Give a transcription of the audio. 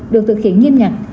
được thực hiện nghiêm ngặt